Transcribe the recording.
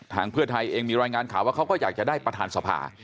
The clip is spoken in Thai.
เพื่อไทยเองมีรายงานข่าวว่าเขาก็อยากจะได้ประธานสภา